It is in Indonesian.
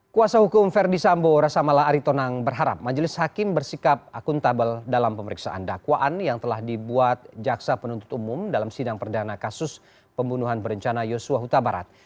kuasa hukum verdi sambo rasamala aritonang berharap majelis hakim bersikap akuntabel dalam pemeriksaan dakwaan yang telah dibuat jaksa penuntut umum dalam sidang perdana kasus pembunuhan berencana yosua huta barat